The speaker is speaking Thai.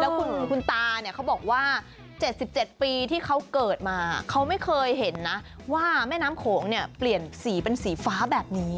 แล้วคุณตาเนี่ยเขาบอกว่า๗๗ปีที่เขาเกิดมาเขาไม่เคยเห็นนะว่าแม่น้ำโขงเนี่ยเปลี่ยนสีเป็นสีฟ้าแบบนี้